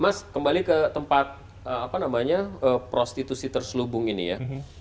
mas kembali ke tempat prostitusi terselubung ini ya